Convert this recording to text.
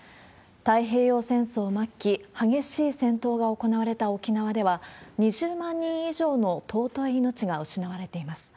太平洋戦争末期、激しい戦闘が行われた沖縄では、２０万人以上の尊い命が失われています。